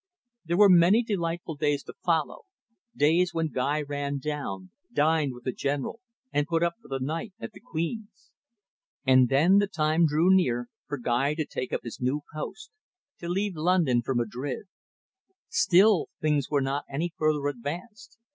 There were many delightful days to follow, days when Guy ran down, dined with the General, and put up for the night at the "Queen's." And then the time drew near for Guy to take up his new post, to leave London for Madrid. Still, things were not any further advanced.